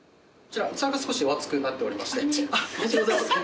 器が少しお熱くなっておりまして。